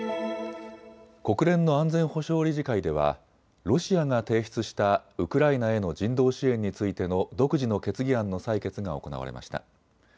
国連の安全保障理事会ではロシアが提出したウクライナへの人道支援についての独自の決議案の採決が行われました。